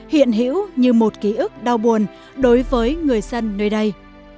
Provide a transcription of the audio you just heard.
hiện hữu như một ký ức đau buồn đối với người dân nơi đây